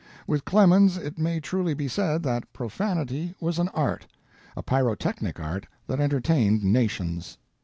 With Clemens it may truly be said that profanity was an art a pyrotechnic art that entertained nations.